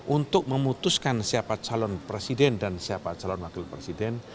untuk memutuskan siapa calon presiden dan siapa calon wakil presiden